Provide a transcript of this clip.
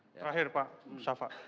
terakhir pak musafak